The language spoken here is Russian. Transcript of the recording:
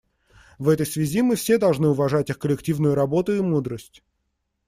В этой связи мы все должны уважать их коллективную работу и мудрость.